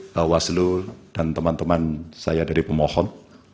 bawaslu dan teman teman saya dari pemohon